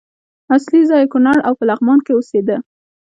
اصلي ځای یې کونړ او په لغمان کې اوسېده.